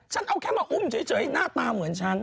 ฉันเอาแค่มาอุ้มเฉยหน้าตาเหมือนฉัน